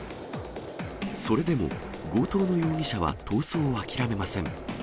それでも、強盗の容疑者は逃走を諦めません。